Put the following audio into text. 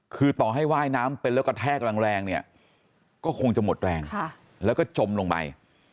คือต่อให้ว่ายน้ำเป็นแล้วกระแทกแรงเนี่ยก็คงจะหมดแรงแล้วก็จมลงไป